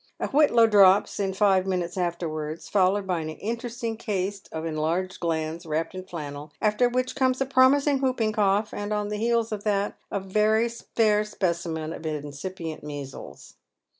A whitlow drops in five minutae afterwards, followed by a'J In the Surgery. 306 interesting case of enlarged glands wrapped in flannel, after which comes a promising whooping cough, and on the heels of that a very fair specimen of incipient measles.